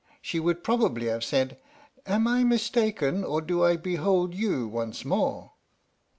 she would probably have said : "Am I mistaken, or do I behold you once more